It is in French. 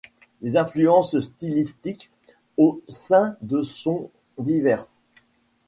Les influences stylistiques au sein de sont diverses.